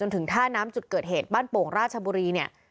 ถึงท่าน้ำจุดเกิดเหตุบ้านโป่งราชบุรีเนี่ย